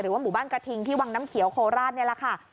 หมู่บ้านกระทิงที่วังน้ำเขียวโคราชนี่แหละค่ะ